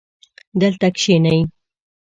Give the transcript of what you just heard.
دلته کښېنئ